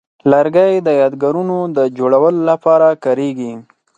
لرګی د یادګارونو د جوړولو لپاره کاریږي.